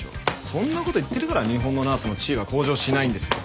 そんな事言ってるから日本のナースの地位は向上しないんですよ。